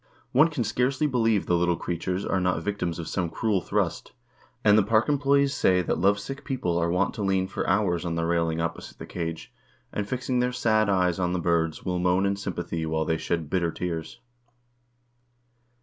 One can scarcely believe the little creatures are not victims of some cruel thrust, and the park employes say that lovesick people are wont to lean for hours on the railing opposite the cage, and, fixing their sad eyes on the birds, will moan in sympathy while they shed bitter tears.